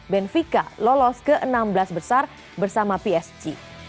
benvika lolos ke enam belas besar bersama psg